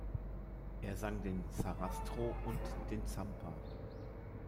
Er sang den Sarastro und den Zampa.